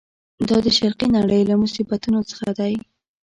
دا د شرقي نړۍ له مصیبتونو څخه دی.